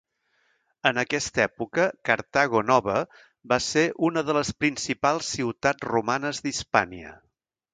En aquesta època Cartago Nova va ser una de les principals ciutats romanes d'Hispània.